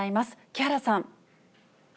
木原さん。